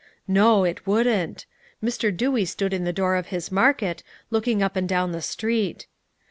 No, it wouldn't. Mr. Dewey stood in the door of his market, looking up and down the street.